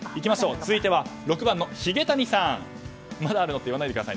続いては６番のヒゲ谷サン。